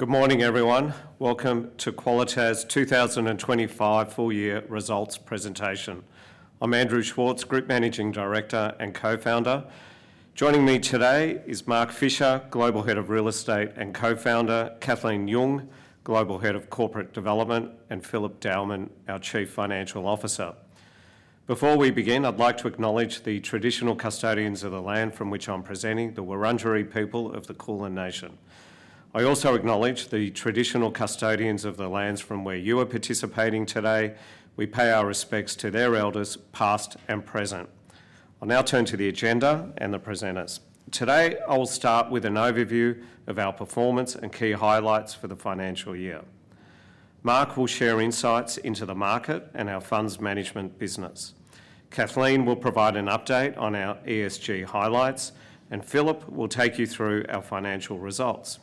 Good morning, everyone. Welcome to Qualitas 2025 Full-Year Results Presentation. I'm Andrew Schwartz, Group Managing Director and Co-Founder. Joining me today is Mark Fischer, Global Head of Real Estate and Co-Founder, Kathleen Yeung, Global Head of Corporate Development, and Philip Dowman, our Chief Financial Officer. Before we begin, I'd like to acknowledge the traditional custodians of the land from which I'm presenting, the Wurundjeri people of the Kulin Nation. I also acknowledge the traditional custodians of the lands from where you are participating today. We pay our respects to their elders, past and present. I'll now turn to the agenda and the presenters. Today, I will start with an overview of our performance and key highlights for the financial year. Mark will share insights into the market and our funds management business. Kathleen will provide an update on our ESG highlights, and Philip will take you through our financial results.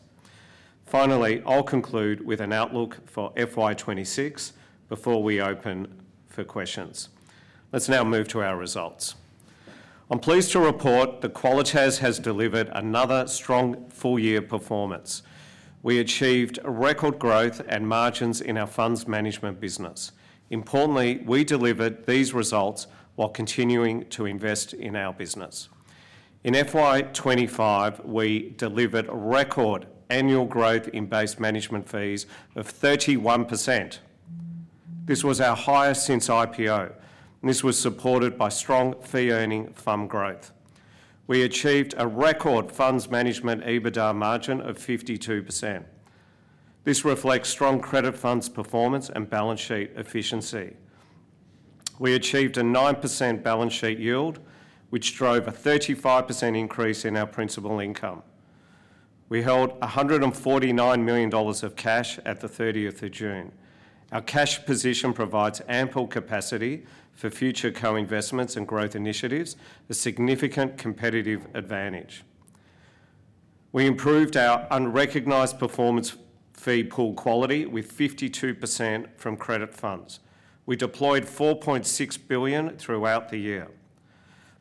Finally, I'll conclude with an outlook for FY2026 before we open for questions. Let's now move to our results. I'm pleased to report that Qualitas has delivered another strong full-year performance. We achieved record growth and margins in our funds management business. Importantly, we delivered these results while continuing to invest in our business. In FY2025, we delivered record annual growth in base management fees of 31%. This was our highest since IPO, and this was supported by strong fee-earning fund growth. We achieved a record funds management EBITDA margin of 52%. This reflects strong credit funds performance and balance sheet efficiency. We achieved a 9% balance sheet yield, which drove a 35% increase in our principal income. We held $149 million of cash at the 30th of June. Our cash position provides ample capacity for future co-investments and growth initiatives, a significant competitive advantage. We improved our unrecognised performance fee pool quality with 52% from credit funds. We deployed $4.6 billion throughout the year.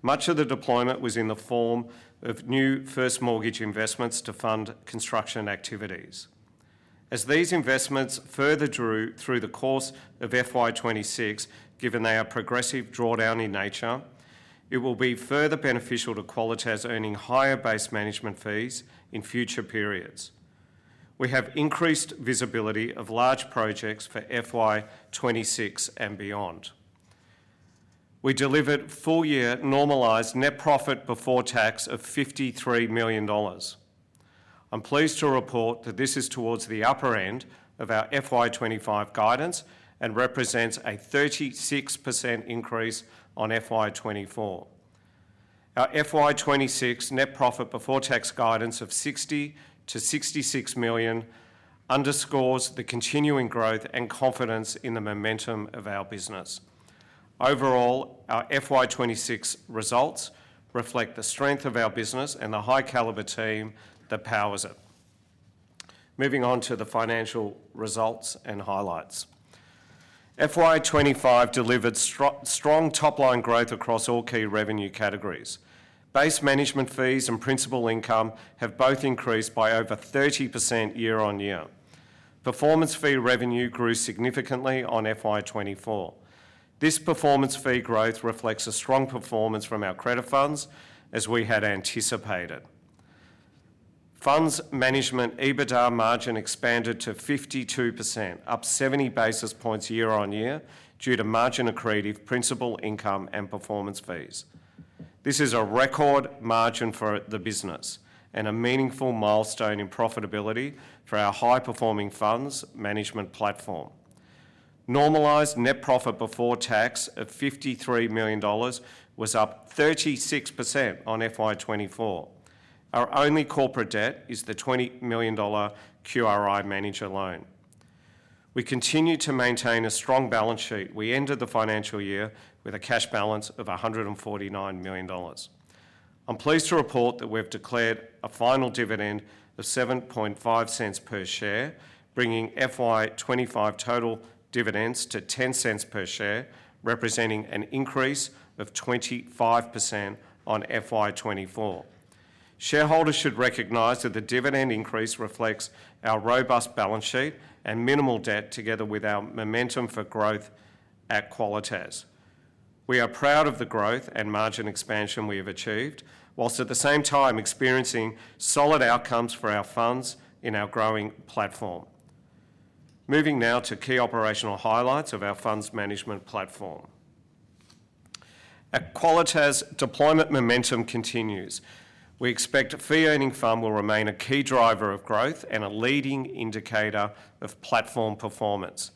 Much of the deployment was in the form of new first mortgage investments to fund construction activities. As these investments further drew through the course of FY2026, given they are progressive drawdown in nature, it will be further beneficial to Qualitas earning higher base management fees in future periods. We have increased visibility of large projects for FY2026 and beyond. We delivered full-year normalised net profit before tax of $53 million. I'm pleased to report that this is towards the upper end of our FY2025 guidance and represents a 36% increase on FY2024. Our FY2026 net profit before tax guidance of $60 million-$66 million underscores the continuing growth and confidence in the momentum of our business. Overall, our FY2026 results reflect the strength of our business and the high-caliber team that powers it. Moving on to the financial results and highlights. FY2025 delivered strong top-line growth across all key revenue categories. Base management fees and principal income have both increased by over 30% year-on-year. Performance fee revenue grew significantly on FY2024. This performance fee growth reflects a strong performance from our credit funds, as we had anticipated. Funds management EBITDA margin expanded to 52%, up 70 basis points year-on-year due to margin accreted from principal income and performance fees. This is a record margin for the business and a meaningful milestone in profitability for our high-performing funds management platform. Normalized net profit before tax of $53 million was up 36% on FY2024. Our only corporate debt is the $20 million QRI manager loan. We continue to maintain a strong balance sheet. We ended the financial year with a cash balance of $149 million. I'm pleased to report that we have declared a final dividend of $0.075 per share, bringing FY2025 total dividends to $0.10 per share, representing an increase of 25% on FY2024. Shareholders should recognize that the dividend increase reflects our robust balance sheet and minimal debt, together with our momentum for growth at Qualitas. We are proud of the growth and margin expansion we have achieved, whilst at the same time experiencing solid outcomes for our funds in our growing platform. Moving now to key operational highlights of our funds management platform. At Qualitas, deployment momentum continues. We expect the fee-earning fund will remain a key driver of growth and a leading indicator of platform performance.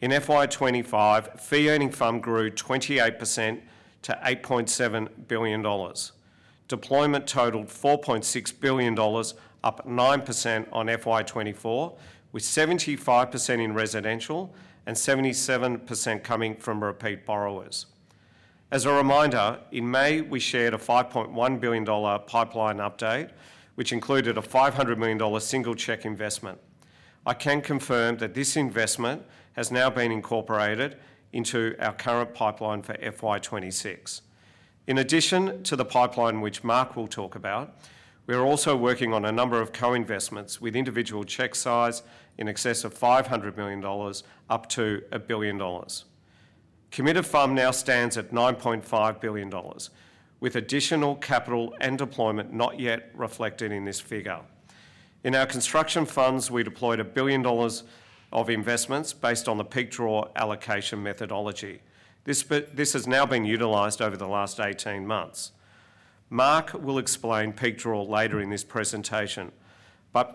In FY2025, fee-earning fund grew 28% to $8.7 billion. Deployment totaled $4.6 billion, up 9% on FY2024, with 75% in residential and 77% coming from repeat borrowers. As a reminder, in May, we shared a $5.1 billion pipeline update, which included a $500 million single-check investment. I can confirm that this investment has now been incorporated into our current pipeline for FY2026. In addition to the pipeline, which Mark will talk about, we are also working on a number of co-investments with individual cheque size in excess of $500 million, up to $1 billion. Committed fund now stands at $9.5 billion, with additional capital and deployment not yet reflected in this figure. In our construction funds, we deployed $1 billion of investments based on the peak draw allocation methodology. This has now been utilised over the last 18 months. Mark will explain peak draw later in this presentation.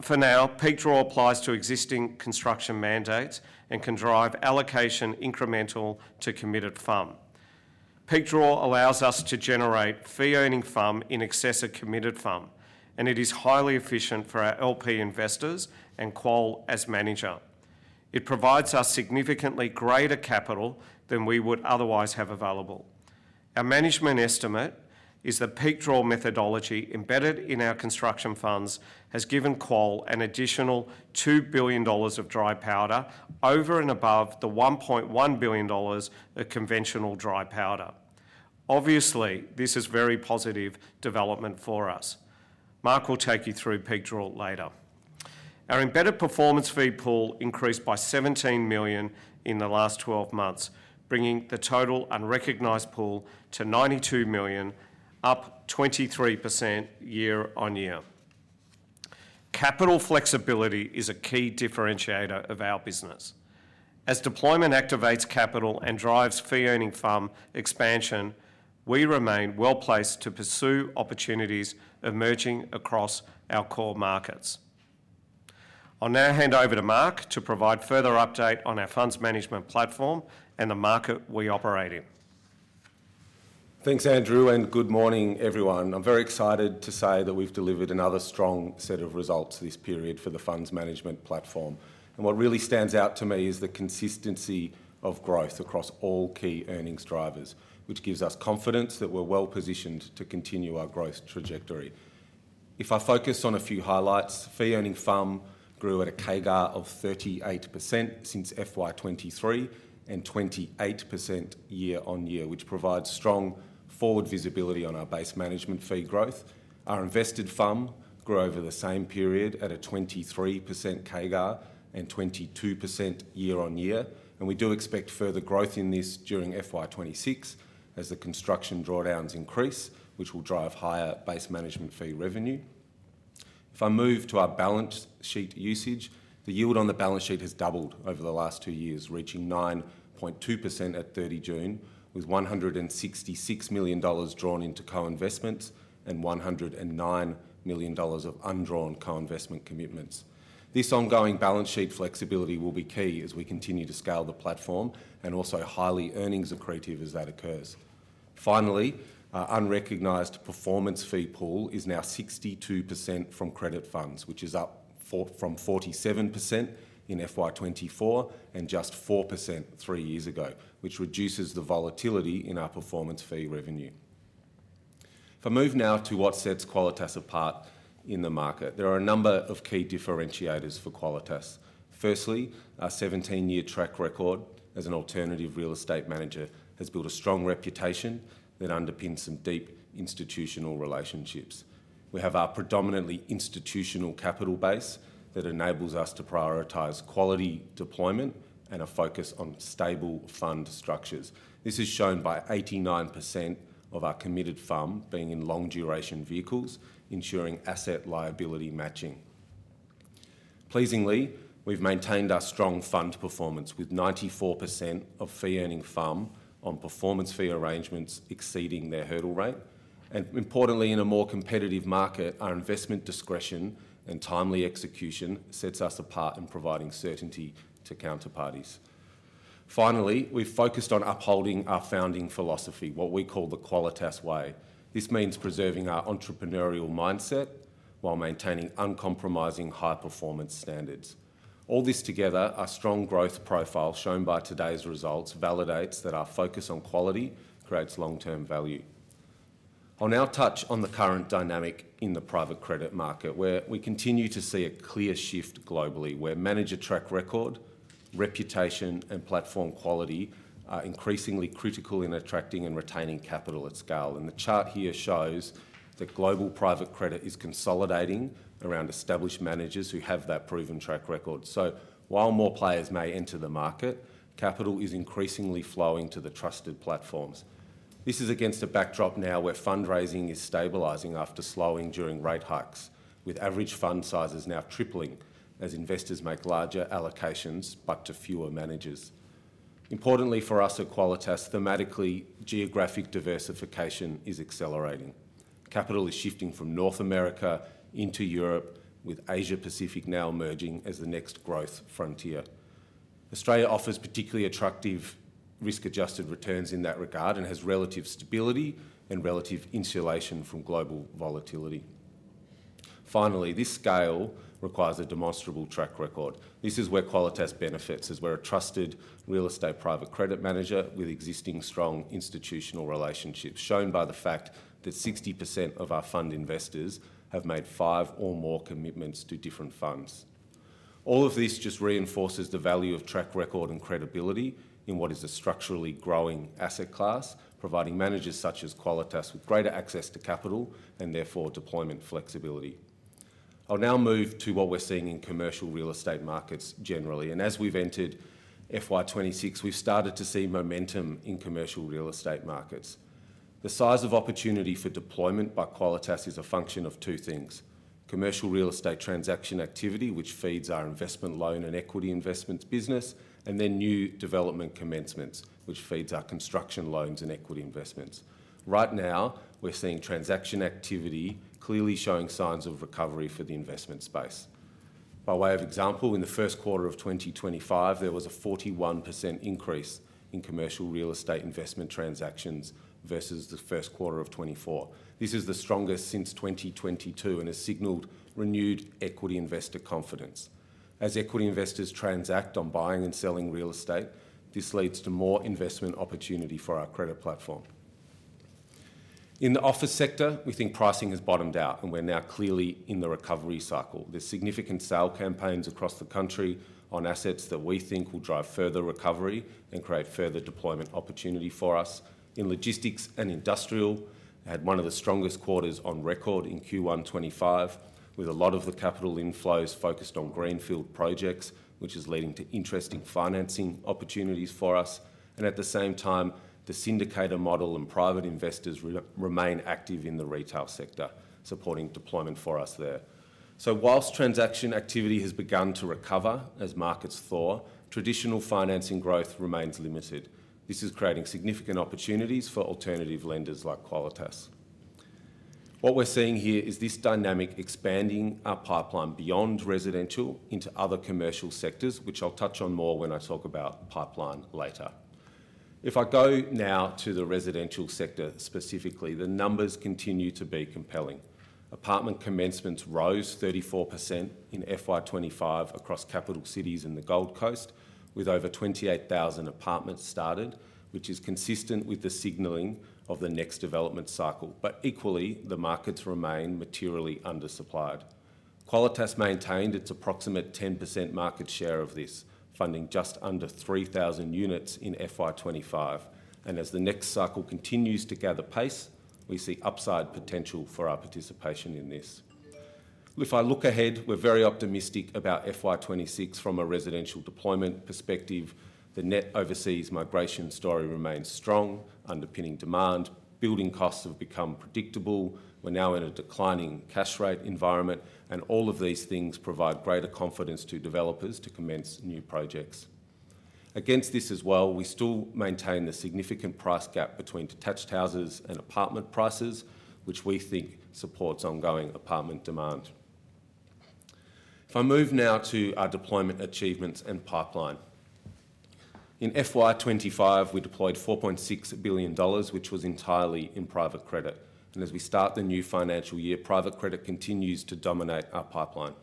For now, peak draw applies to existing construction mandates and can drive allocation incremental to committed fund. Peak draw allows us to generate fee-earning funds in excess of committed fund, and it is highly efficient for our LP investors and Qualitas as manager. It provides us significantly greater capital than we would otherwise have available. Our management estimate is the peak draw methodology embedded in our construction funds has given Qualitas an additional $2 billion of dry powder over and above the $1.1 billion of conventional dry powder. Obviously, this is very positive development for us. Mark will take you through peak draw later. Our embedded performance fee pool increased by $17 million in the last 12 months, bringing the total unrecognised pool to $92 million, up 23% year-on-year. Capital flexibility is a key differentiator of our business. As deployment activates capital and drives fee-earning fund expansion, we remain well placed to pursue opportunities emerging across our core markets. I'll now hand over to Mark to provide further update on our funds management platform and the market we operate in. Thanks, Andrew, and good morning, everyone. I'm very excited to say that we've delivered another strong set of results this period for the funds management platform. What really stands out to me is the consistency of growth across all key earnings drivers, which gives us confidence that we're well positioned to continue our growth trajectory. If I focus on a few highlights, fee-earning fund grew at a CAGR of 38% since FY2023 and 28% year-on- year, which provides strong forward visibility on our base management fee growth. Our invested fund grew over the same period at a 23% CAGR and 22% year-on-year, and we do expect further growth in this during FY2026 as the construction drawdowns increase, which will drive higher base management fee revenue. If I move to our balance sheet usage, the yield on the balance sheet has doubled over the last two years, reaching 9.2% at 30 June, with $166 million drawn into co-investments and $109 million of undrawn co-investment commitments. This ongoing balance sheet flexibility will be key as we continue to scale the platform and also highly earnings accretive as that occurs. Finally, our unrecognised performance fee pool is now 62% from credit funds, which is up from 47% in FY2024 and just 4% three years ago, which reduces the volatility in our performance fee revenue. If I move now to what sets Qualitas apart in the market, there are a number of key differentiators for Qualitas. Firstly, our 17-year track record as an alternative real estate manager has built a strong reputation that underpins some deep institutional relationships. We have our predominantly institutional capital base that enables us to prioritize quality deployment and a focus on stable fund structures. This is shown by 89% of our committed fund being in long-duration vehicles, ensuring asset liability matching. Pleasingly, we've maintained our strong fund performance with 94% of fee-earning fund on performance fee arrangements exceeding their hurdle rate. Importantly, in a more competitive market, our investment discretion and timely execution sets us apart in providing certainty to counterparties. Finally, we've focused on upholding our founding philosophy, what we call the Qualitas Way. This means preserving our entrepreneurial mindset while maintaining uncompromising high-performance standards. All this together, our strong growth profile shown by today's results validates that our focus on quality creates long-term value. I'll now touch on the current dynamic in the private credit market, where we continue to see a clear shift globally, where manager track record, reputation, and platform quality are increasingly critical in attracting and retaining capital at scale. The chart here shows that global private credit is consolidating around established managers who have that proven track record. While more players may enter the market, capital is increasingly flowing to the trusted platforms. This is against a backdrop now where fundraising is stabilizing after slowing during rate hikes, with average fund sizes now tripling as investors make larger allocations but to fewer managers. Importantly for us at Qualitas, thematically, geographic diversification is accelerating. Capital is shifting from North America into Europe, with Asia-Pacific now emerging as the next growth frontier. Australia offers particularly attractive risk-adjusted returns in that regard and has relative stability and relative insulation from global volatility. Finally, this scale requires a demonstrable track record. This is where Qualitas benefits, as we're a trusted real estate private credit manager with existing strong institutional relationships, shown by the fact that 60% of our fund investors have made five or more commitments to different funds. All of this just reinforces the value of track record and credibility in what is a structurally growing asset class, providing managers such as Qualitas with greater access to capital and therefore deployment flexibility. I'll now move to what we're seeing in commercial real estate markets generally. As we've entered FY2026, we've started to see momentum in commercial real estate markets. The size of opportunity for deployment by Qualitas is a function of two things: commercial real estate transaction activity, which feeds our investment loan and equity investments business, and then new development commencements, which feed our construction loans and equity investments. Right now, we're seeing transaction activity clearly showing signs of recovery for the investment space. By way of example, in the first quarter of 2025, there was a 41% increase in commercial real estate investment transactions versus the first quarter of 2024. This is the strongest since 2022 and has signaled renewed equity investor confidence. As equity investors transact on buying and selling real estate, this leads to more investment opportunity for our credit platform. In the office sector, we think pricing has bottomed out, and we're now clearly in the recovery cycle. There's significant sale campaigns across the country on assets that we think will drive further recovery and create further deployment opportunity for us. In logistics and industrial, we had one of the strongest quarters on record in Q1 2025, with a lot of the capital inflows focused on greenfield projects, which is leading to interesting financing opportunities for us. At the same time, the syndicator model and private investors remain active in the retail sector, supporting deployment for us there. Whilst transaction activity has begun to recover as markets soar, traditional financing growth remains limited. This is creating significant opportunities for alternative lenders like Qualitas. What we're seeing here is this dynamic expanding our pipeline beyond residential into other commercial sectors, which I'll touch on more when I talk about the pipeline later. If I go now to the residential sector specifically, the numbers continue to be compelling. Apartment commencements rose 34% in FY2025 across capital cities in the Gold Coast, with over 28,000 apartments started, which is consistent with the signalling of the next development cycle. Equally, the markets remain materially undersupplied. Qualitas maintained its approximate 10% market share of this, funding just under 3,000 units in FY2025. As the next cycle continues to gather pace, we see upside potential for our participation in this. If I look ahead, we're very optimistic about FY2026 from a residential deployment perspective. The net overseas migration story remains strong, underpinning demand. Building costs have become predictable. We're now in a declining cash rate environment, and all of these things provide greater confidence to developers to commence new projects. Against this as well, we still maintain the significant price gap between detached houses and apartment prices, which we think supports ongoing apartment demand. If I move now to our deployment achievements and pipeline. In FY2025, we deployed $4.6 billion, which was entirely in private credit. As we start the new financial year, private credit continues to dominate our pipeline.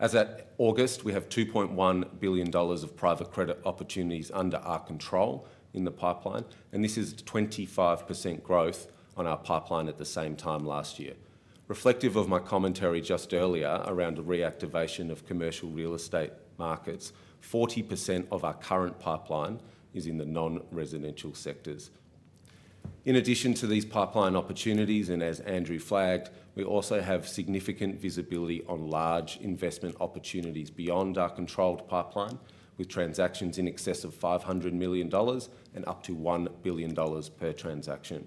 As at August, we have $2.1 billion of private credit opportunities under our control in the pipeline, and this is 25% growth on our pipeline at the same time last year. Reflective of my commentary just earlier around the reactivation of commercial real estate markets, 40% of our current pipeline is in the non-residential sectors. In addition to these pipeline opportunities, and as Andrew flagged, we also have significant visibility on large investment opportunities beyond our controlled pipeline, with transactions in excess of $500 million and up to $1 billion per transaction.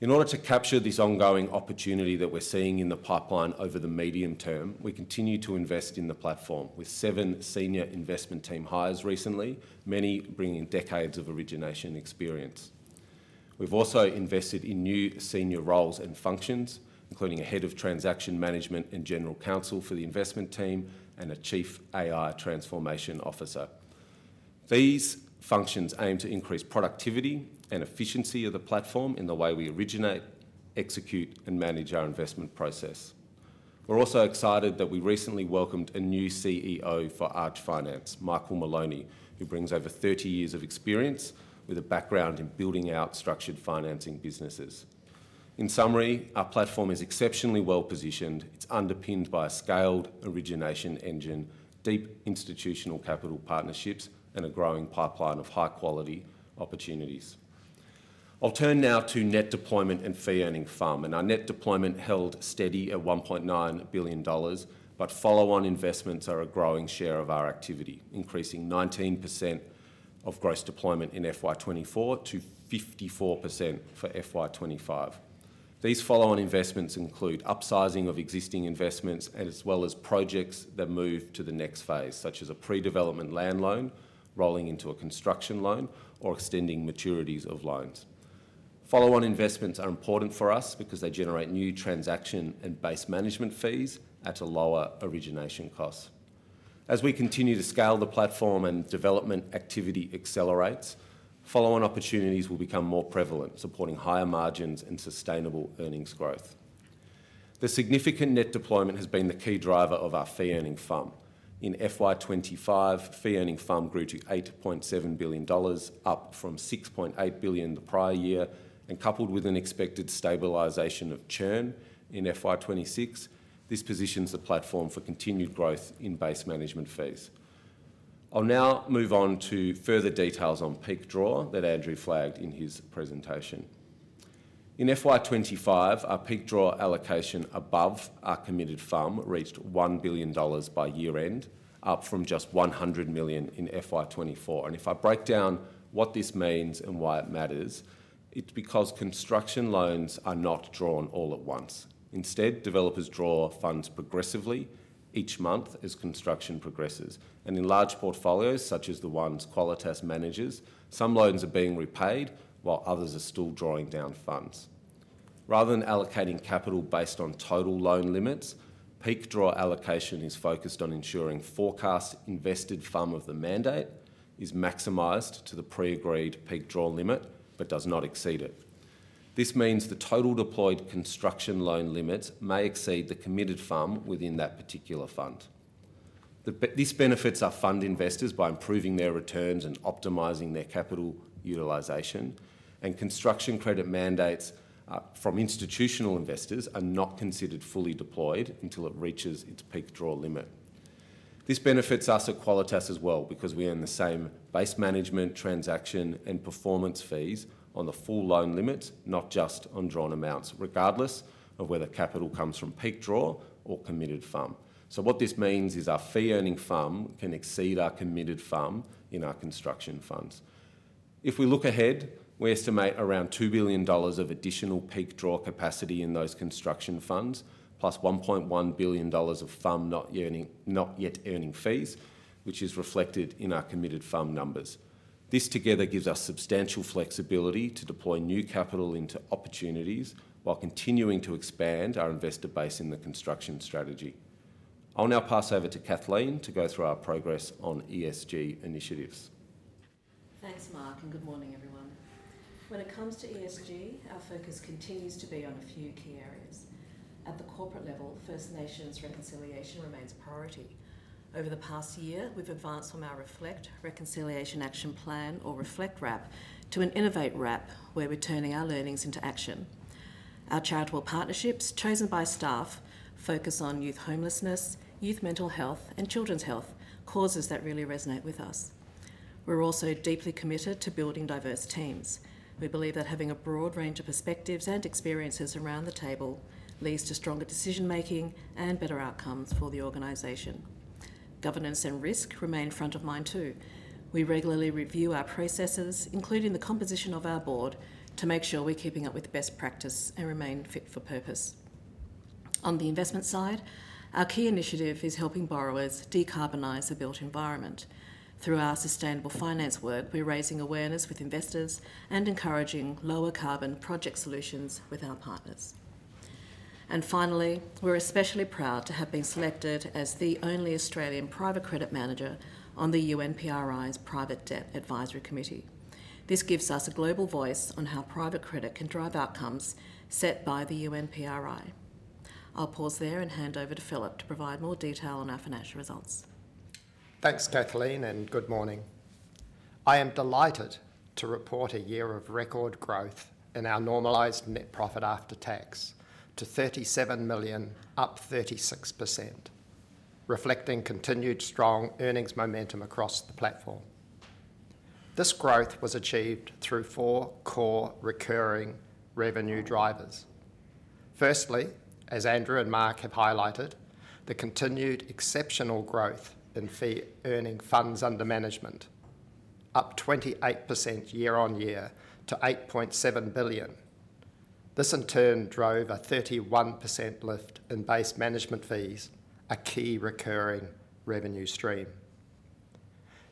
In order to capture this ongoing opportunity that we're seeing in the pipeline over the medium term, we continue to invest in the platform, with seven senior investment team hires recently, many bringing decades of origination experience. We've also invested in new senior roles and functions, including a Head of Transaction Management and General Counsel for the investment team and a Chief AI Transformation Officer. These functions aim to increase productivity and efficiency of the platform in the way we originate, execute, and manage our investment process. We're also excited that we recently welcomed a new CEO for Arch Finance, Michael Maloney, who brings over 30 years of experience with a background in building out structured financing businesses. In summary, our platform is exceptionally well positioned. It's underpinned by a scaled origination engine, deep institutional capital partnerships, and a growing pipeline of high-quality opportunities. I'll turn now to net deployment and fee-earning fund. Our net deployment held steady at $1.9 billion, but follow-on investments are a growing share of our activity, increasing 19% of gross deployment in FY2024 to 54% for FY2025. These follow-on investments include upsizing of existing investments, as well as projects that move to the next phase, such as a pre-development land loan rolling into a construction loan or extending maturities of loans. Follow-on investments are important for us because they generate new transaction and base management fees at a lower origination cost. As we continue to scale the platform and development activity accelerates, follow-on opportunities will become more prevalent, supporting higher margins and sustainable earnings growth. The significant net deployment has been the key driver of our fee-earning fund. In FY2025, fee-earning fund grew to $8.7 billion, up from $6.8 billion the prior year. Coupled with an expected stabilisation of churn in FY2026, this positions the platform for continued growth in base management fees. I'll now move on to further details on peak draw that Andrew flagged in his presentation. In FY2025, our peak draw allocation above our committed fund reached $1 billion by year-end, up from just $100 million in FY2024. If I break down what this means and why it matters, it's because construction loans are not drawn all at once. Instead, developers draw funds progressively each month as construction progresses. In large portfolios, such as the ones Qualitas manages, some loans are being repaid while others are still drawing down funds. Rather than allocating capital based on total loan limits, peak draw allocation is focused on ensuring forecast invested fund of the mandate is maximized to the pre-agreed peak draw limit, but does not exceed it. This means the total deployed construction loan limits may exceed the committed fund within that particular fund. This benefits our fund investors by improving their returns and optimizing their capital utilization. Construction credit mandates from institutional investors are not considered fully deployed until it reaches its peak draw limit. This benefits us at Qualitas as well because we earn the same base management, transaction, and performance fees on the full loan limits, not just on drawn amounts, regardless of whether capital comes from peak draw or committed fund. What this means is our fee-earning fund can exceed our committed fund in our construction funds. If we look ahead, we estimate around $2 billion of additional peak draw capacity in those construction funds, plus $1.1 billion of fund not yet earning fees, which is reflected in our committed fund numbers. This together gives us substantial flexibility to deploy new capital into opportunities while continuing to expand our investor base in the construction strategy. I'll now pass over to Kathleen to go through our progress on ESG initiatives. Thanks, Mark, and good morning, everyone. When it comes to ESG, our focus continues to be on a few key areas. At the corporate level, First Nations reconciliation remains a priority. Over the past year, we've advanced from our Reflect Reconciliation Action Plan, or Reflect RAP, to an Innovate RAP, where we're turning our learnings into action. Our charitable partnerships, chosen by staff, focus on youth homelessness, youth mental health, and children's health, causes that really resonate with us. We're also deeply committed to building diverse teams. We believe that having a broad range of perspectives and experiences around the table leads to stronger decision-making and better outcomes for the organization. Governance and risk remain front of mind too. We regularly review our processes, including the composition of our Board, to make sure we're keeping up with best practice and remain fit for purpose. On the investment side, our key initiative is helping borrowers decarbonize the built environment. Through our sustainable finance work, we're raising awareness with investors and encouraging lower carbon project solutions with our partners. We're especially proud to have been selected as the only Australian private credit manager on the UNPRI's Private Debt Advisory Committee. This gives us a global voice on how private credit can drive outcomes set by the UNPRI. I'll pause there and hand over to Philip to provide more detail on our financial results. Thanks, Kathleen, and good morning. I am delighted to report a year of record growth in our normalised net profit after tax to $37 million, up 36%, reflecting continued strong earnings momentum across the platform. This growth was achieved through four core recurring revenue drivers. Firstly, as Andrew and Mark have highlighted, the continued exceptional growth in fee-earning funds under management, up 28% year-on-year to $8.7 billion. This in turn drove a 31% lift in base management fees, a key recurring revenue stream.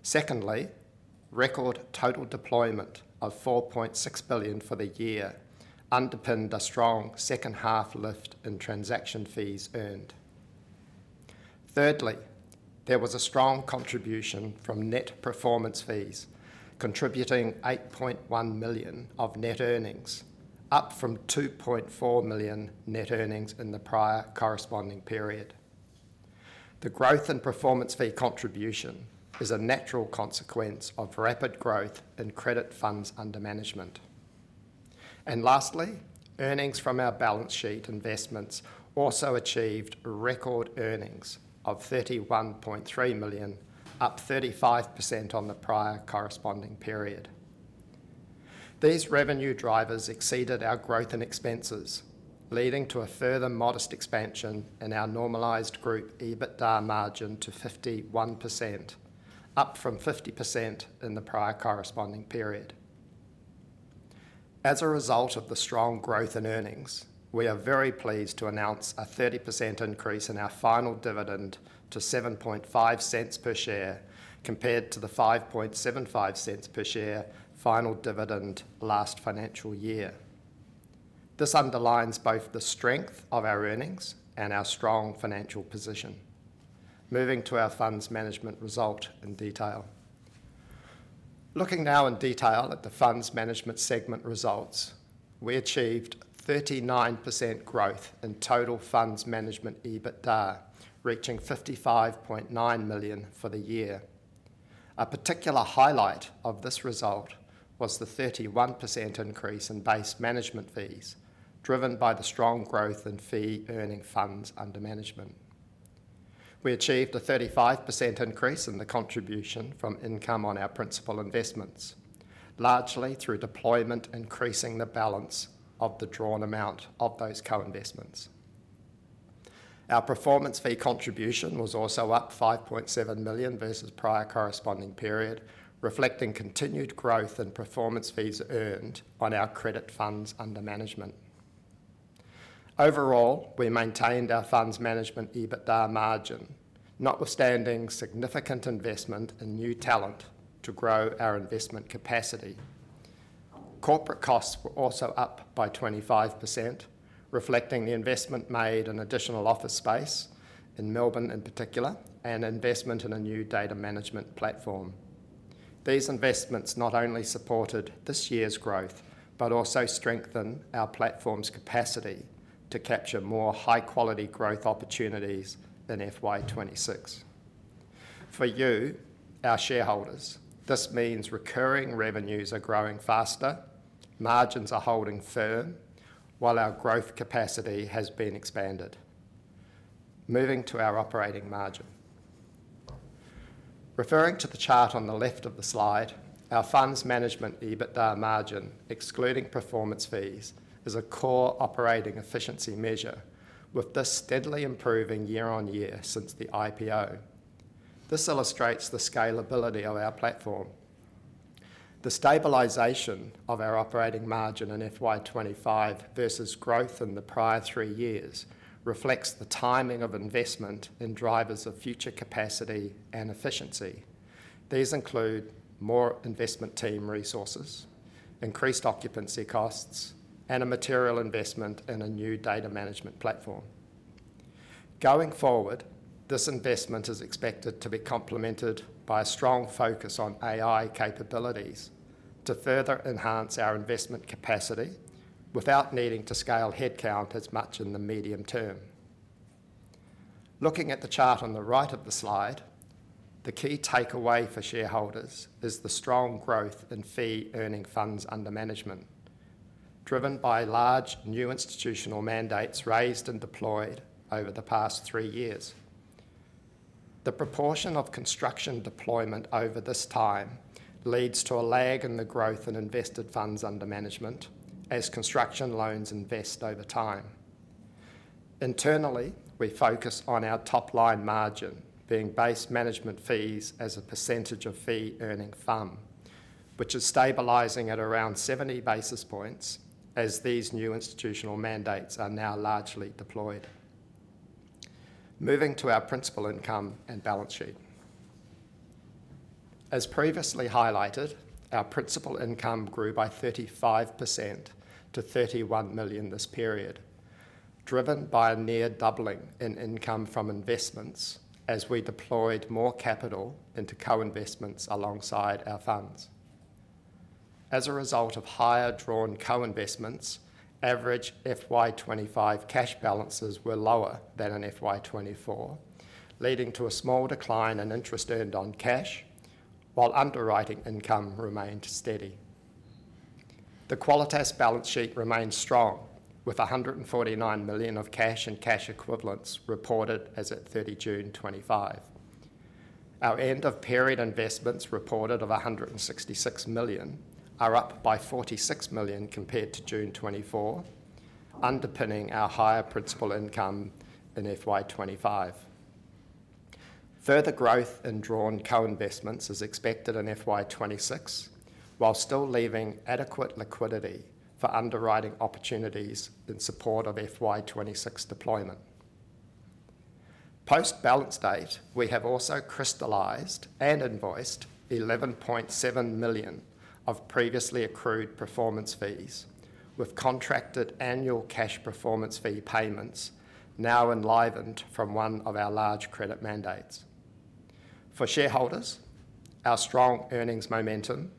Secondly, record total deployment of $4.6 billion for the year underpinned a strong second-half lift in transaction fees earned. Thirdly, there was a strong contribution from net performance fees, contributing $8.1 million of net earnings, up from $2.4 million net earnings in the prior corresponding period. The growth in performance fee contribution is a natural consequence of rapid growth in credit funds under management. Lastly, earnings from our balance sheet investments also achieved record earnings of $31.3 million, up 35% on the prior corresponding period. These revenue drivers exceeded our growth in expenses, leading to a further modest expansion in our normalised group EBITDA margin to 51%, up from 50% in the prior corresponding period. As a result of the strong growth in earnings, we are very pleased to announce a 30% increase in our final dividend to $0.075 per share, compared to the $0.0575 per share final dividend last financial year. This underlines both the strength of our earnings and our strong financial position. Moving to our funds management result in detail. Looking now in detail at the funds management segment results, we achieved 39% growth in total funds management EBITDA, reaching $55.9 million for the year. A particular highlight of this result was the 31% increase in base management fees, driven by the strong growth in fee-earning funds under management. We achieved a 35% increase in the contribution from income on our principal investments, largely through deployment increasing the balance of the drawn amount of those co-investments. Our performance fee contribution was also up $5.7 million versus prior corresponding period, reflecting continued growth in performance fees earned on our credit funds under management. Overall, we maintained our funds management EBITDA margin, notwithstanding significant investment in new talent to grow our investment capacity. Corporate costs were also up by 25%, reflecting the investment made in additional office space in Melbourne in particular and investment in a new data management platform. These investments not only supported this year's growth, but also strengthened our platform's capacity to capture more high-quality growth opportunities in FY2026. For you, our shareholders, this means recurring revenues are growing faster, margins are holding firm, while our growth capacity has been expanded. Moving to our operating margin. Referring to the chart on the left of the slide, our funds management EBITDA margin, excluding performance fees, is a core operating efficiency measure, with this steadily improving year-on-year since the IPO. This illustrates the scalability of our platform. The stabilization of our operating margin in FY2025 versus growth in the prior three years reflects the timing of investment in drivers of future capacity and efficiency. These include more investment team resources, increased occupancy costs, and a material investment in a new data management platform. Going forward, this investment is expected to be complemented by a strong focus on AI capabilities to further enhance our investment capacity without needing to scale headcount as much in the medium term. Looking at the chart on the right of the slide, the key takeaway for shareholders is the strong growth in fee-earning funds under management, driven by large new institutional mandates raised and deployed over the past three years. The proportion of construction deployment over this time leads to a lag in the growth in invested funds under management as construction loans invest over time. Internally, we focus on our top-line margin being base management fees as a percentage of fee-earning fund, which is stabilizing at around 70 basis points as these new institutional mandates are now largely deployed. Moving to our principal income and balance sheet. As previously highlighted, our principal income grew by 35% to $31 million this period, driven by a near doubling in income from investments as we deployed more capital into co-investments alongside our funds. As a result of higher drawn co-investments, average FY2025 cash balances were lower than in FY2024, leading to a small decline in interest earned on cash, while underwriting income remained steady. The Qualitas balance sheet remains strong, with $149 million of cash and cash equivalents reported as at 30 June 2025. Our end-of-period investments reported of $166 million are up by $46 million compared to June 2024, underpinning our higher principal income in FY2025. Further growth in drawn co-investments is expected in FY2026, while still leaving adequate liquidity for underwriting opportunities in support of FY2026 deployment. Post-balance date, we have also crystallized and invoiced $11.7 million of previously accrued performance fees, with contracted annual cash performance fee payments now enlivened from one of our large credit mandates. For shareholders, our strong earnings momentum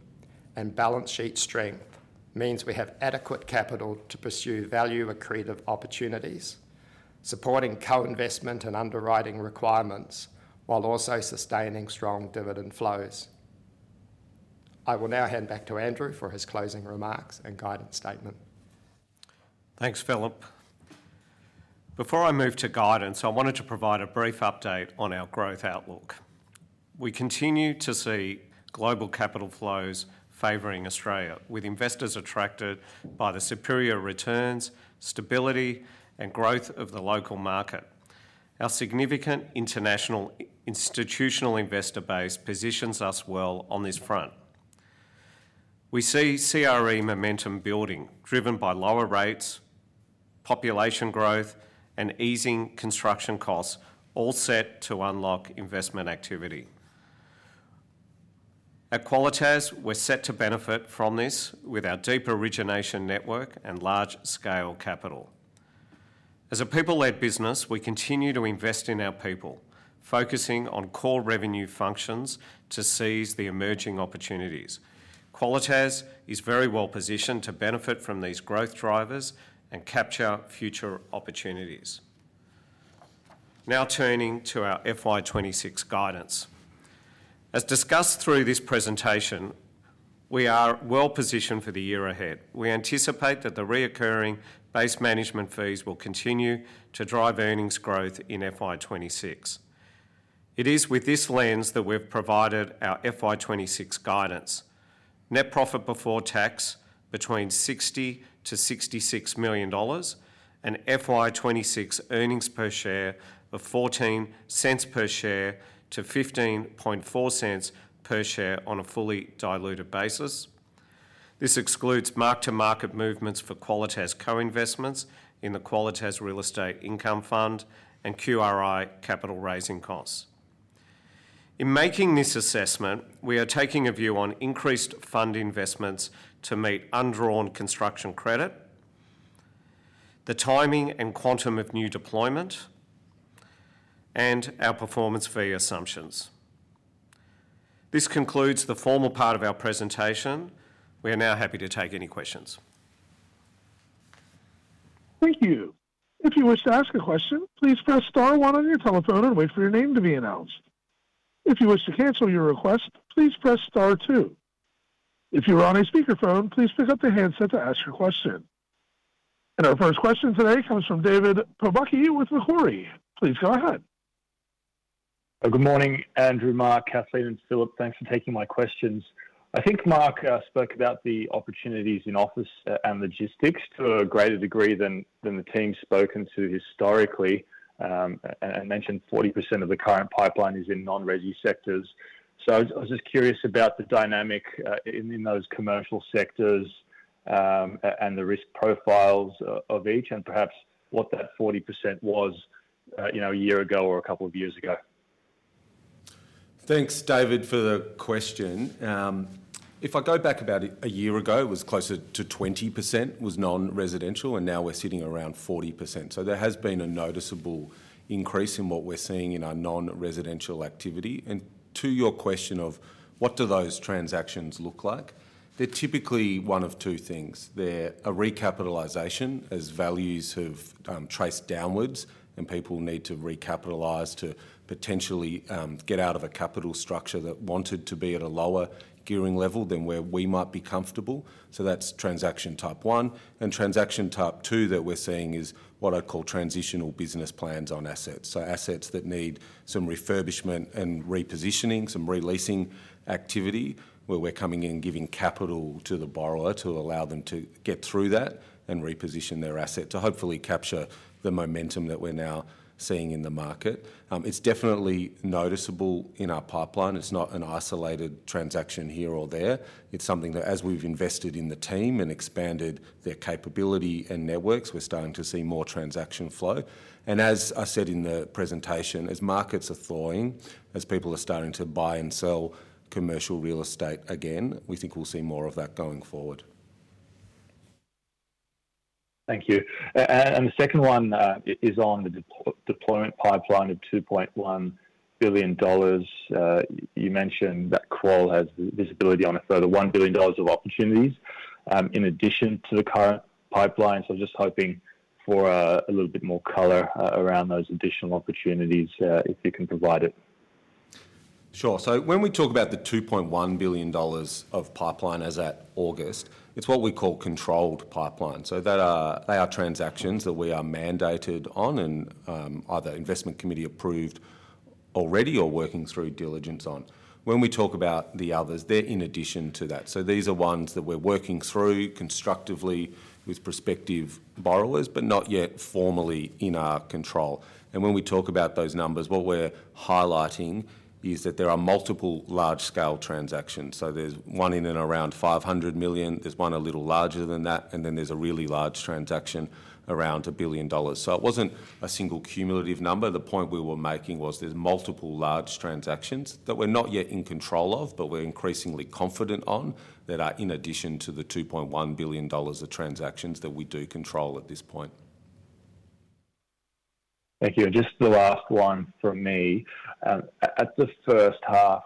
and balance sheet strength means we have adequate capital to pursue value accretive opportunities, supporting co-investment and underwriting requirements, while also sustaining strong dividend flows. I will now hand back to Andrew for his closing remarks and guidance statement. Thanks, Philip. Before I move to guidance, I wanted to provide a brief update on our growth outlook. We continue to see global capital flows favoring Australia, with investors attracted by the superior returns, stability, and growth of the local market. Our significant international institutional investor base positions us well on this front. We see CRE momentum building, driven by lower rates, population growth, and easing construction costs, all set to unlock investment activity. At Qualitas, we're set to benefit from this with our deep origination network and large-scale capital. As a people-led business, we continue to invest in our people, focusing on core revenue functions to seize the emerging opportunities. Qualitas is very well positioned to benefit from these growth drivers and capture future opportunities. Now turning to our FY2026 guidance. As discussed through this presentation, we are well positioned for the year ahead. We anticipate that the recurring base management fees will continue to drive earnings growth in FY2026. It is with this lens that we've provided our FY2026 guidance: net profit before tax between $60 million-$66 million, and FY2026 earnings per share of $0.14 per share-$0.154 per share on a fully diluted basis. This excludes mark-to-market movements for Qualitas co-investments in the Qualitas Real Estate Income Fund and QRI capital raising costs.In making this assessment, we are taking a view on increased fund investments to meet undrawn construction credit, the timing and quantum of new deployment, and our performance fee assumptions. This concludes the formal part of our presentation. We are now happy to take any questions. Thank you. If you wish to ask a question, please press star one on your telephone and wait for your name to be announced. If you wish to cancel your request, please press star two. If you are on a speakerphone, please pick up the handset to ask your question. Our first question today comes from David Pobucky with Macquarie. Please go ahead. Good morning, Andrew, Mark, Kathleen, and Philip. Thanks for taking my questions. I think Mark spoke about the opportunities in office and logistics to a greater degree than the team has spoken to historically, and mentioned 40% of the current pipeline is in non-resi sectors. I was just curious about the dynamic in those commercial sectors and the risk profiles of each, and perhaps what that 40% was a year ago or a couple of years ago. Thanks, David, for the question. If I go back about a year ago, it was closer to 20% was non-residential, and now we're sitting around 40%. There has been a noticeable increase in what we're seeing in our non-residential activity. To your question of what do those transactions look like, they're typically one of two things. They're a recapitalisation as values have traced downwards, and people need to recapitalise to potentially get out of a capital structure that wanted to be at a lower gearing level than where we might be comfortable. That's transaction type one. Transaction type two that we're seeing is what I call transitional business plans on assets. Assets that need some refurbishment and repositioning, some releasing activity, where we're coming in and giving capital to the borrower to allow them to get through that and reposition their asset to hopefully capture the momentum that we're now seeing in the market. It's definitely noticeable in our pipeline. It's not an isolated transaction here or there. As we've invested in the team and expanded their capability and networks, we're starting to see more transaction flow. As I said in the presentation, as markets are thawing, as people are starting to buy and sell commercial real estate again, we think we'll see more of that going forward. Thank you. The second one is on the deployment pipeline of $2.1 billion. You mentioned that Qualitas has visibility on a further $1 billion of opportunities in addition to the current pipeline. I'm just hoping for a little bit more color around those additional opportunities, if you can provide it. Sure. When we talk about the $2.1 billion of pipeline as at August, it's what we call controlled pipeline. They are transactions that we are mandated on and either Investment Committee approved already or working through diligence on. When we talk about the others, they're in addition to that. These are ones that we're working through constructively with prospective borrowers, but not yet formally in our control. When we talk about those numbers, what we're highlighting is that there are multiple large-scale transactions. There's one in and around $500 million, there's one a little larger than that, and then there's a really large transaction around $1 billion. It wasn't a single cumulative number. The point we were making was there's multiple large transactions that we're not yet in control of, but we're increasingly confident on that are in addition to the $2.1 billion of transactions that we do control at this point. Thank you. Just the last one from me. At the first half,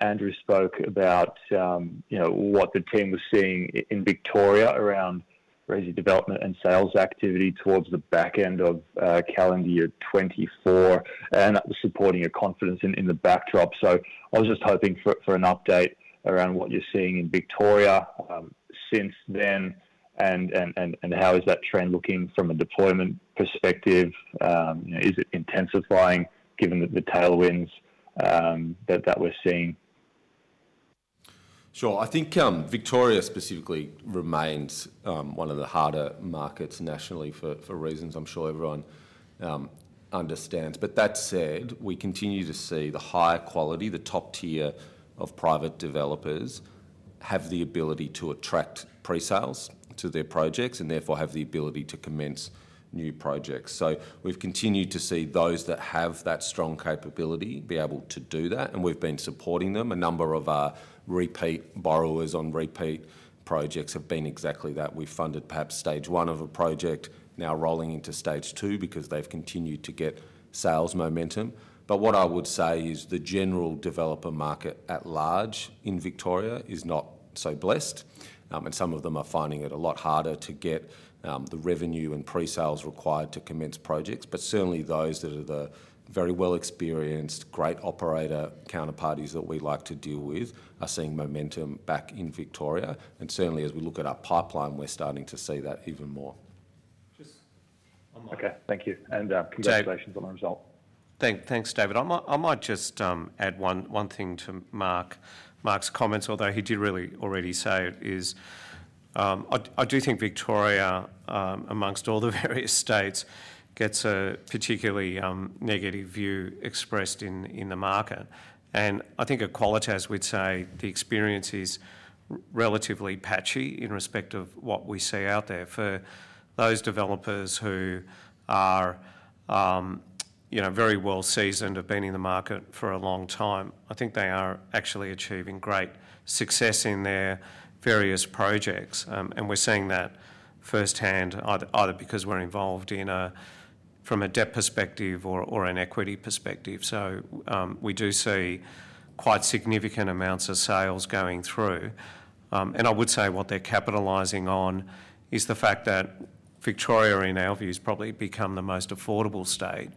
Andrew spoke about what the team was seeing in Victoria around resi development and sales activity towards the back end of calendar year 2024 and supporting your confidence in the backdrop. I was just hoping for an update around what you're seeing in Victoria since then, and how is that trend looking from a deployment perspective? Is it intensifying given the tailwinds that we're seeing? Sure. I think Victoria specifically remains one of the harder markets nationally for reasons I'm sure everyone understands. That said, we continue to see the higher quality, the top tier of private developers have the ability to attract pre-sales to their projects and therefore have the ability to commence new projects. We've continued to see those that have that strong capability be able to do that, and we've been supporting them. A number of our repeat borrowers on repeat projects have been exactly that. We've funded perhaps stage one of a project, now rolling into stage two because they've continued to get sales momentum. What I would say is the general developer market at large in Victoria is not so blessed, and some of them are finding it a lot harder to get the revenue and pre-sales required to commence projects. Certainly those that are the very well-experienced, great operator counterparties that we like to deal with are seeing momentum back in Victoria. Certainly as we look at our pipeline, we're starting to see that even more. Thank you, and congratulations on the result. Thanks, David. I might just add one thing to Mark's comments, although he did really already say it. I do think Victoria, amongst all the various states, gets a particularly negative view expressed in the market. I think at Qualitas, we'd say the experience is relatively patchy in respect of what we see out there. For those developers who are very well seasoned, have been in the market for a long time, I think they are actually achieving great success in their various projects. We're seeing that firsthand, either because we're involved from a debt perspective or an equity perspective. We do see quite significant amounts of sales going through. I would say what they're capitalizing on is the fact that Victoria, in our views, has probably become the most affordable state.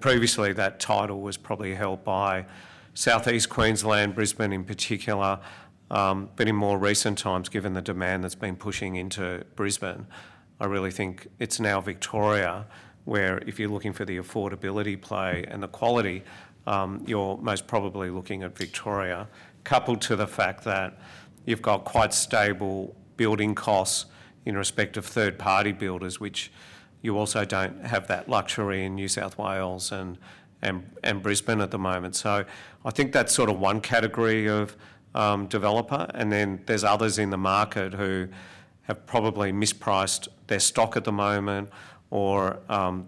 Previously, that title was probably held by Southeast Queensland, Brisbane in particular. In more recent times, given the demand that's been pushing into Brisbane, I really think it's now Victoria where if you're looking for the affordability play and the quality, you're most probably looking at Victoria, coupled to the fact that you've got quite stable building costs in respect of third-party builders, which you also don't have that luxury in New South Wales and Brisbane at the moment. I think that's sort of one category of developer. Then there's others in the market who have probably mispriced their stock at the moment, or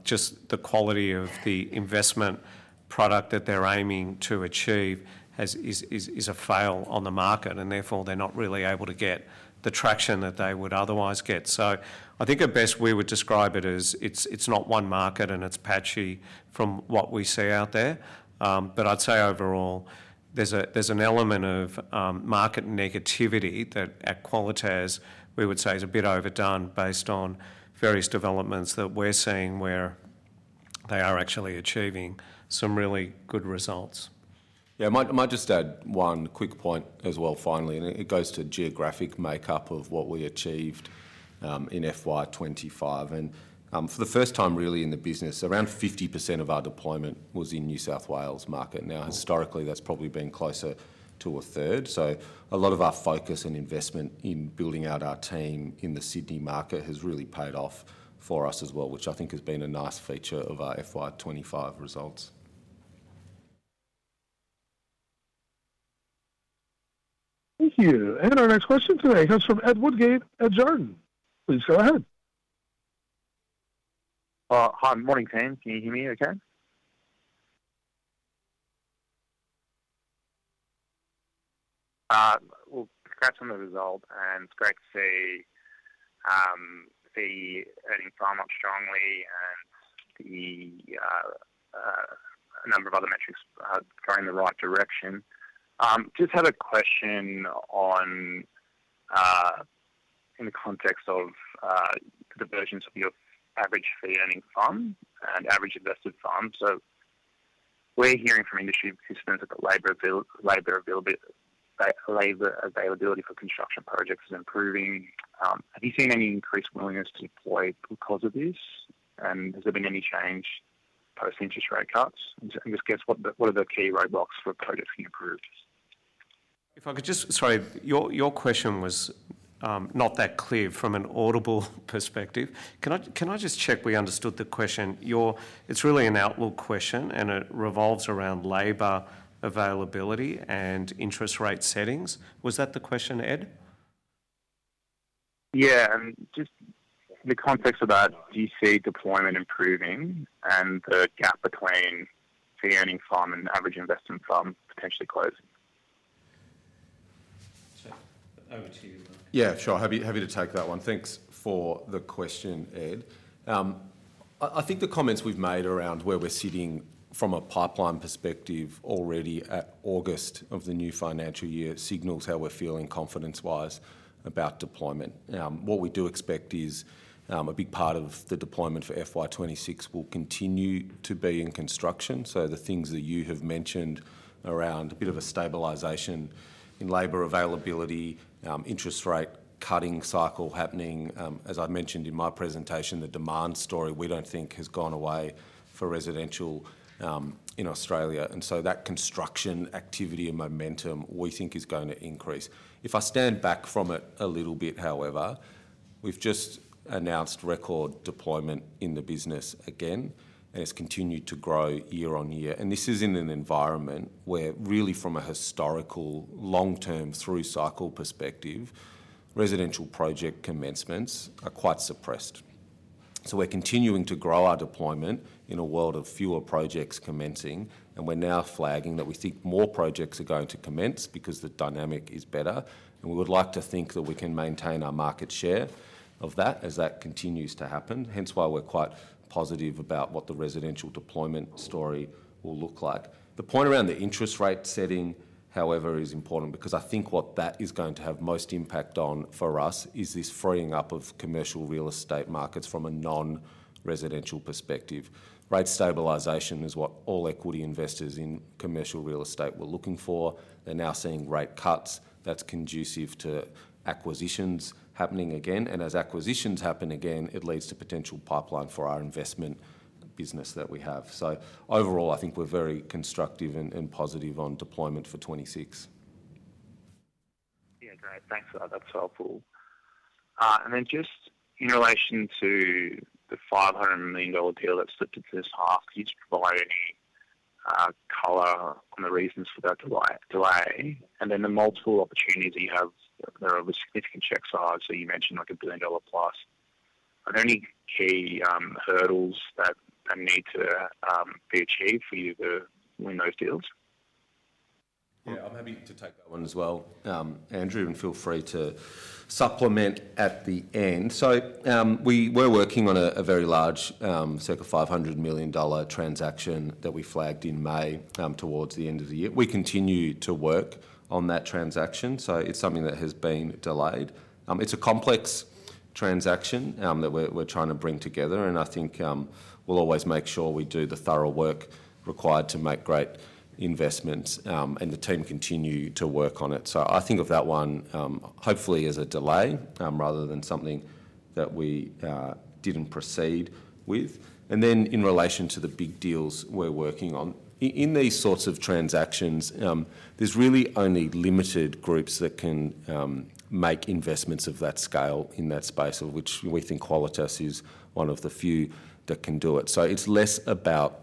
just the quality of the investment product that they're aiming to achieve is a fail on the market, and therefore they're not really able to get the traction that they would otherwise get. At best we would describe it as it's not one market and it's patchy from what we see out there. I'd say overall there's an element of market negativity that at Qualitas we would say is a bit overdone based on various developments that we're seeing where they are actually achieving some really good results. I might just add one quick point as well finally, and it goes to geographic makeup of what we achieved in FY2025. For the first time really in the business, around 50% of our deployment was in the New South Wales market. Historically, that's probably been closer to a third. A lot of our focus and investment in building out our team in the Sydney market has really paid off for us as well, which I think has been a nice feature of our FY2025 results. Thank you. Our next question today comes from Ed Woodgate at Jarden. Please go ahead. Hi, morning team. Can you hear me okay? We'll scratch on the result and scratch the fee-earning far much strongly, and the number of other metrics are going in the right direction. Just had a question in the context of the versions of your average fee-earning fund and average invested fund. We're hearing from industry participants that the labor availability for construction projects is improving. Have you seen any increased willingness to deploy because of this? Has there been any change post-interest rate cuts? Just guess what are the key roadblocks for projects being approved? If I could just, sorry, your question was not that clear from an audible perspective. Can I just check we understood the question? It's really an outlook question and it revolves around labor availability and interest rate settings. Was that the question, Ed? Yeah, just in the context of that, do you see deployment improving and the gap between fee-earning funds and average investment funds potentially closing? Yeah, sure. Happy to take that one. Thanks for the question, Ed. I think the comments we've made around where we're sitting from a pipeline perspective already at August of the new financial year signals how we're feeling confidence-wise about deployment. What we do expect is a big part of the deployment for FY2026 will continue to be in construction. The things that you have mentioned around a bit of a stabilisation in labor availability, interest rate cutting cycle happening. As I mentioned in my presentation, the demand story we don't think has gone away for residential in Australia. That construction activity and momentum we think is going to increase. If I stand back from it a little bit, however, we've just announced record deployment in the business again, and it's continued to grow year-on-year. This is in an environment where really from a historical long-term through cycle perspective, residential project commencements are quite suppressed. We're continuing to grow our deployment in a world of fewer projects commencing, and we're now flagging that we think more projects are going to commence because the dynamic is better. We would like to think that we can maintain our market share of that as that continues to happen. Hence why we're quite positive about what the residential deployment story will look like. The point around the interest rate setting, however, is important because I think what that is going to have most impact on for us is this freeing up of commercial real estate markets from a non-residential perspective. Rate stabilisation is what all equity investors in commercial real estate were looking for. They're now seeing rate cuts that's conducive to acquisitions happening again. As acquisitions happen again, it leads to potential pipeline for our investment business that we have. Overall, I think we're very constructive and positive on deployment for 2026. Great, thanks. That's helpful. In relation to the $500 million deal that slipped into this half, do you deploy any color on the reasons for that delay? The multiple opportunities that you have, there are significant checks filed. You mentioned like a billion dollar plus. Are there any key hurdles that need to be achieved for you to win those deals? I'm happy to take that one as well, Andrew, and feel free to supplement at the end. We were working on a very large, circa $500 million transaction that we flagged in May towards the end of the year. We continue to work on that transaction. It's something that has been delayed. It's a complex transaction that we're trying to bring together. I think we'll always make sure we do the thorough work required to make great investments, and the team continue to work on it. I think of that one hopefully as a delay rather than something that we didn't proceed with. In relation to the big deals we're working on, in these sorts of transactions, there's really only limited groups that can make investments of that scale in that space, of which we think Qualitas is one of the few that can do it. It's less about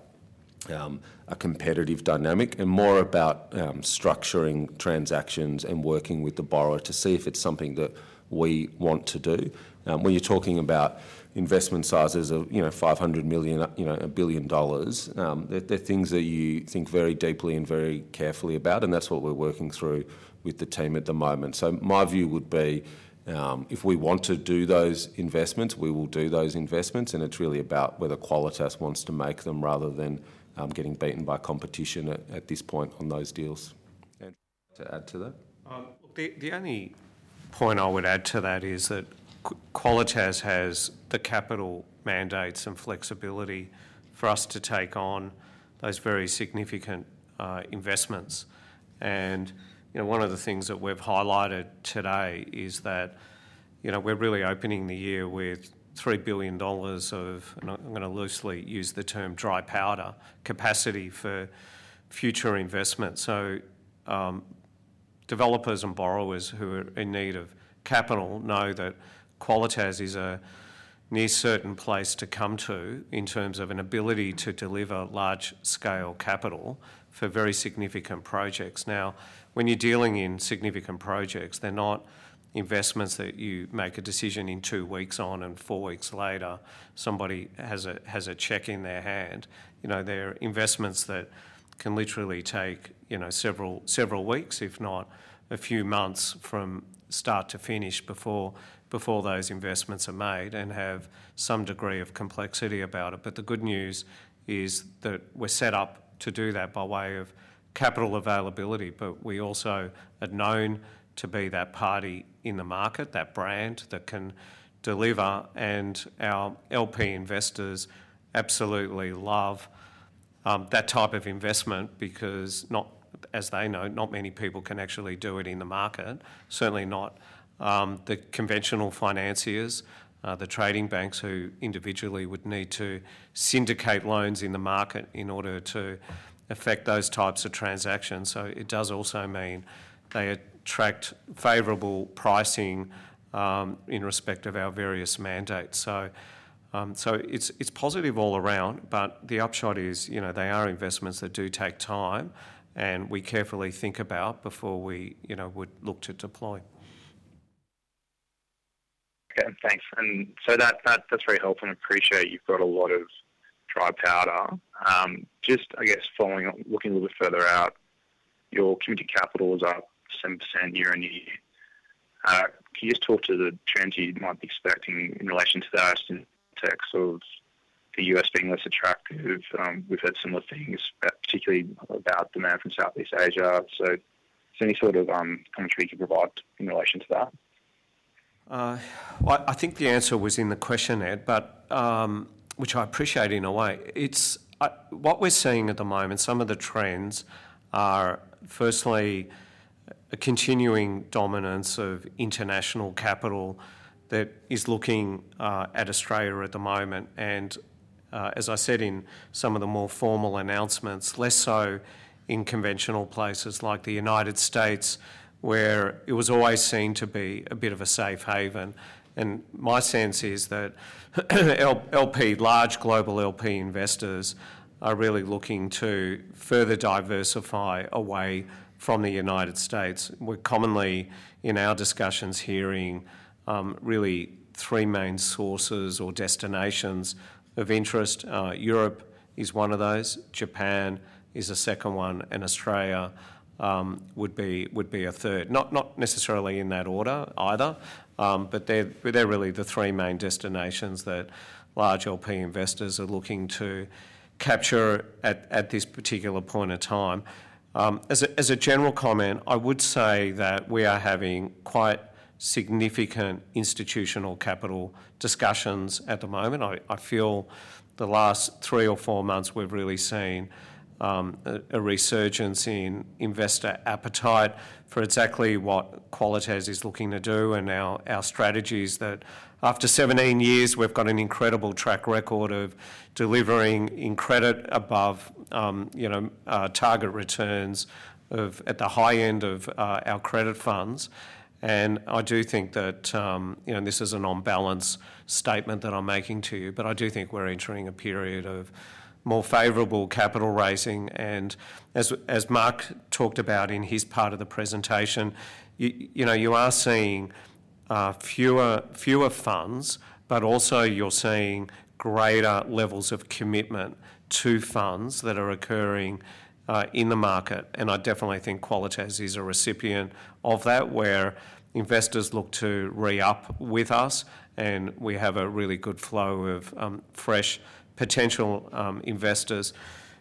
a competitive dynamic and more about structuring transactions and working with the borrower to see if it's something that we want to do. When you're talking about investment sizes of, you know, $500 million, a billion dollars, they're things that you think very deeply and very carefully about. That's what we're working through with the team at the moment. My view would be if we want to do those investments, we will do those investments. It's really about whether Qualitas wants to make them rather than getting beaten by competition at this point on those deals. To add to that? The only point I would add to that is that Qualitas has the capital mandates and flexibility for us to take on those very significant investments. One of the things that we've highlighted today is that we're really opening the year with $3 billion of, and I'm going to loosely use the term dry powder, capacity for future investments. Developers and borrowers who are in need of capital know that Qualitas is a near certain place to come to in terms of an ability to deliver large-scale capital for very significant projects. Now, when you're dealing in significant projects, they're not investments that you make a decision in two weeks on and four weeks later, somebody has a check in their hand. They're investments that can literally take several weeks, if not a few months from start to finish before those investments are made and have some degree of complexity about it. The good news is that we're set up to do that by way of capital availability. We also are known to be that party in the market, that brand that can deliver. Our LP investors absolutely love that type of investment because, as they know, not many people can actually do it in the market. Certainly not the conventional financiers, the trading banks who individually would need to syndicate loans in the market in order to effect those types of transactions. It does also mean they attract favorable pricing in respect of our various mandates. It's positive all around, but the upshot is, they are investments that do take time and we carefully think about before we would look to deploy. Okay, thanks. That's very helpful. I appreciate you've got a lot of dry powder. I guess, following up, looking a little bit further out, your Q2 capital is up 7% year-on-year. Can you just talk to the trends you might be expecting in relation to that? Tech, sort of the U.S. being less attractive. We've heard similar things, particularly about demand from Southeast Asia. Is there any sort of unfreezable in relation to that? I think the answer was in the question, Ed, which I appreciate in a way. What we're seeing at the moment, some of the trends are firstly a continuing dominance of international capital that is looking at Australia at the moment. As I said in some of the more formal announcements, less so in conventional places like the United States, where it was always seen to be a bit of a safe haven. My sense is that large global LP investors are really looking to further diversify away from the United States. We're commonly in our discussions hearing really three main sources or destinations of interest. Europe is one of those, Japan is a second one, and Australia would be a third. Not necessarily in that order either, but they're really the three main destinations that large LP investors are looking to capture at this particular point in time. As a general comment, I would say that we are having quite significant institutional capital discussions at the moment. I feel the last three or four months we've really seen a resurgence in investor appetite for exactly what Qualitas is looking to do and our strategies that after 17 years we've got an incredible track record of delivering in credit above, you know, target returns at the high end of our credit funds. I do think that, you know, this is an on-balance statement that I'm making to you, but I do think we're entering a period of more favorable capital raising. As Mark talked about in his part of the presentation, you are seeing fewer funds, but also you're seeing greater levels of commitment to funds that are occurring in the market. I definitely think Qualitas is a recipient of that where investors look to re-up with us, and we have a really good flow of fresh potential investors.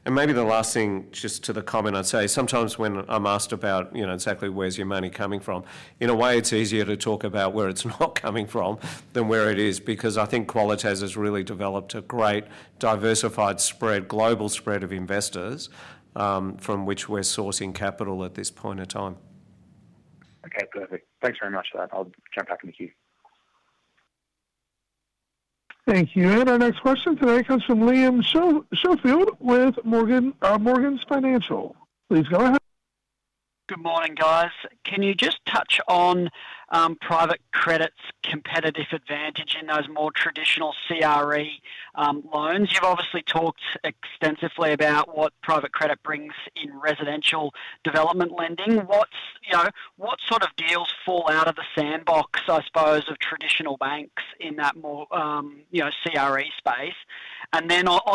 Maybe the last thing just to the comment I'd say, sometimes when I'm asked about, you know, exactly where's your money coming from, in a way it's easier to talk about where it's not coming from than where it is because I think Qualitas has really developed a great diversified spread, global spread of investors from which we're sourcing capital at this point in time. Thanks very much for that. I'll jump back in the queue. Thank you. Our next question today comes from Liam Schofield with Morgans Financial. Please go ahead. Good morning, guys. Can you just touch on private credit's competitive advantage in those more traditional CRE loans? You've obviously talked extensively about what private credit brings in residential development lending. What sort of deals fall out of the sandbox, I suppose, of traditional banks in that more, you know, CRE space?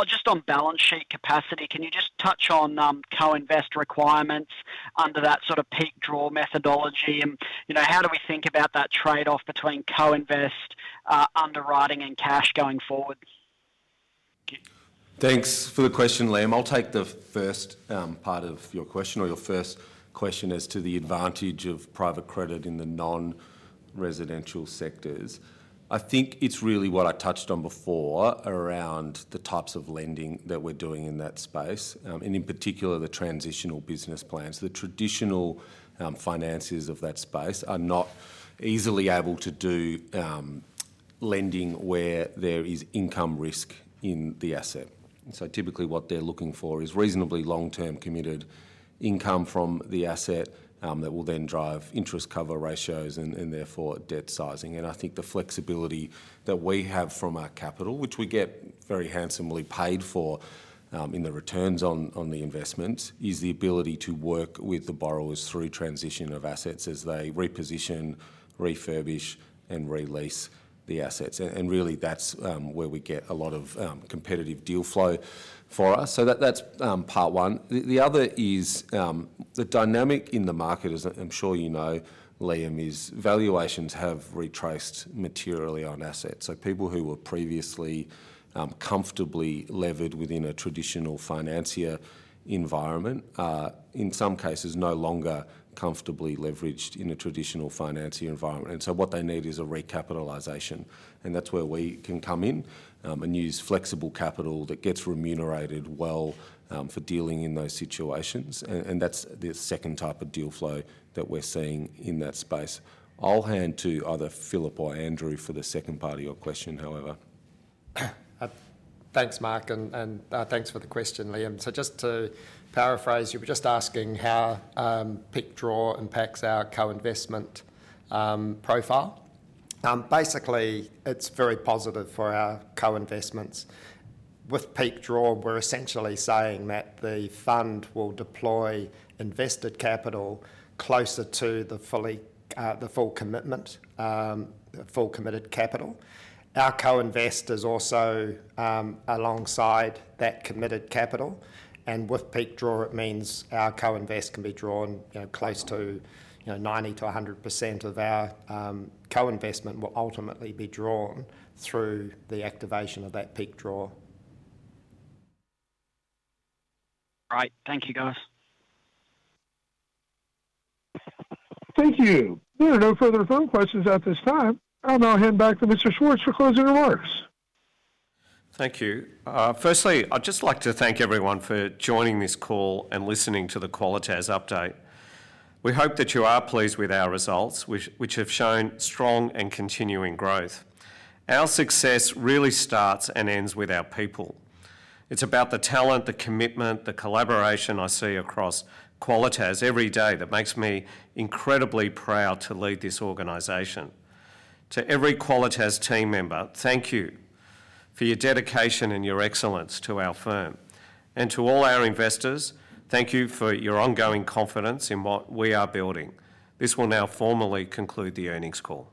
Just on balance sheet capacity, can you just touch on co-invest requirements under that sort of peak draw allocation methodology? You know, how do we think about that trade-off between co-invest, underwriting, and cash going forward? Thanks for the question, Liam. I'll take the first part of your question or your first question as to the advantage of private credit in the non-residential sectors. I think it's really what I touched on before around the types of lending that we're doing in that space, and in particular the transitional business plans. The traditional finances of that space are not easily able to do lending where there is income risk in the asset. Typically what they're looking for is reasonably long-term committed income from the asset that will then drive interest cover ratios and therefore debt sizing. I think the flexibility that we have from our capital, which we get very handsomely paid for in the returns on the investments, is the ability to work with the borrowers through transition of assets as they reposition, refurbish, and release the assets. Really that's where we get a lot of competitive deal flow for us. That's part one. The other is the dynamic in the market, as I'm sure you know, Liam, is valuations have retraced materially on assets. People who were previously comfortably levered within a traditional financier environment are in some cases no longer comfortably leveraged in a traditional financier environment. What they need is a recapitalisation. That's where we can come in and use flexible capital that gets remunerated well for dealing in those situations. That's the second type of deal flow that we're seeing in that space. I'll hand to either Philip or Andrew for the second part of your question, however. Thanks, Mark, and thanks for the question, Liam. Just to paraphrase, you were just asking how peak draw impacts our co-investment profile. Basically, it's very positive for our co-investments. With peak draw, we're essentially saying that the fund will deploy invested capital closer to the full commitment, the full committed capital. Our co-invest is also alongside that committed capital. With peak draw, it means our co-invest can be drawn close to 90%-100% of our co-investment will ultimately be drawn through the activation of that peak draw. Right. Thank you, guys. Thank you. There are no further phone questions at this time. I'll now hand back to Mr. Schwartz for closing remarks. Thank you. Firstly, I'd just like to thank everyone for joining this call and listening to the Qualitas update. We hope that you are pleased with our results, which have shown strong and continuing growth. Our success really starts and ends with our people. It's about the talent, the commitment, the collaboration I see across Qualitas every day that makes me incredibly proud to lead this organization. To every Qualitas team member, thank you for your dedication and your excellence to our firm. To all our investors, thank you for your ongoing confidence in what we are building. This will now formally conclude the earnings call.